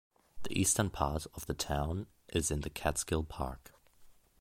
The eastern part of the town is in the Catskill Park.